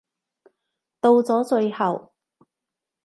到咗最後